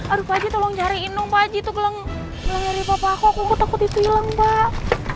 aduh pak j tolong cariin dong pak j itu belum nyari papa kok aku takut itu hilang pak